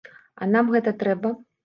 А нам гэта трэба?!